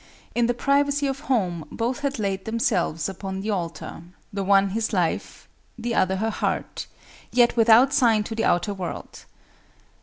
In the privacy of home both had laid themselves upon the altar; the one his life,—the other her heart, yet without sign to the outer world.